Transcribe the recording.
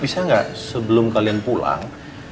bisa nggak sebelum kalian pulang